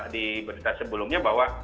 di berita sebelumnya bahwa